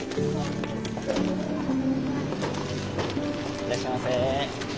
いらっしゃいませ。